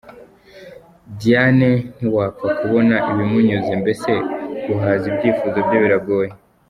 Diane ntiwapfa kubona ibimunyuze, mbese guhaza ibyifuzo bye biragoye.